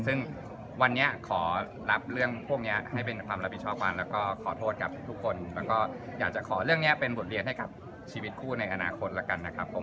ซึ่งวันนี้ขอรับเรื่องพวกนี้ให้เป็นความรับผิดชอบก่อนแล้วก็ขอโทษกับทุกคนแล้วก็อยากจะขอเรื่องนี้เป็นบทเรียนให้กับชีวิตคู่ในอนาคตแล้วกันนะครับผม